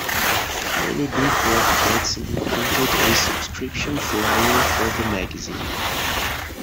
Many Big Board kits included a subscription flyer for the magazine.